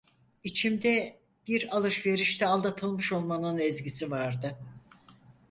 İçimde, bir alışverişte aldatılmış olmanın ezgisi vardı.